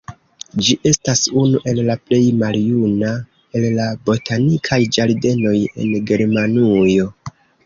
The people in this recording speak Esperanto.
Ĝi estas unu el la plej maljuna el la botanikaj ĝardenoj en Germanujo.